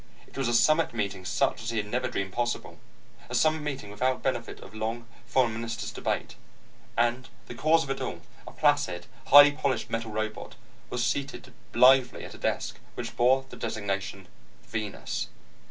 It was a summit meeting such as he had never dreamed possible, a summit meeting without benefit of long foreign minister's debate. And the cause of it all, a placid, highly polished metal robot, was seated blithely at a desk which bore the designation: VENUS.